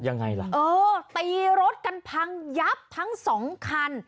ยังไงล่ะเออตีรถกันพังยับทั้งสองคัน